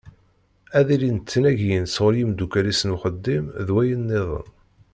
Ad ilint tnagiyin sɣur yimeddukkal-is n uxeddim d wayen-nniḍen.